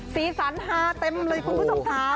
สีสันฮาเต็มเลยคุณผู้ชมค่ะ